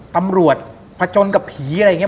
ตำรวจผจญกับผีอะไรอย่างนี้